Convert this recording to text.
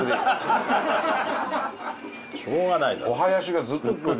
しょうがないだろ。